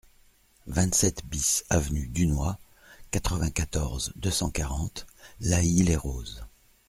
vingt-sept BIS avenue Dunois, quatre-vingt-quatorze, deux cent quarante, L'Haÿ-les-Roses